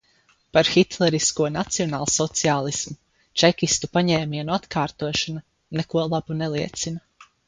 Par Hitlerisko nacionālsociālismu, čekistu paņēmienu atkārtošana, neko labu neliecina.